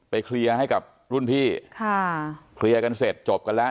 เคลียร์ให้กับรุ่นพี่ค่ะเคลียร์กันเสร็จจบกันแล้ว